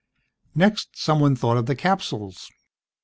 Next, someone thought of the capsules.